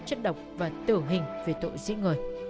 chất độc và tử hình vì tội giết người